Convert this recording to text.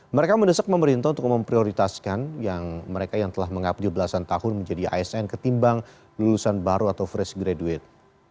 mereka mendesak pemerintah untuk memprioritaskan yang mereka yang telah mengabdi belasan tahun menjadi asn ketimbang lulusan baru atau fresh graduate